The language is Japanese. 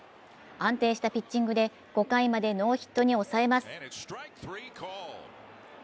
安定したピッチングで５回までノーヒットに抑えます。